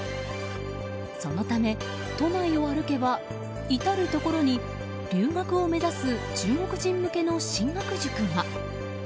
そのため、都内を歩けば至るところに留学を目指す中国人向けの進学塾が。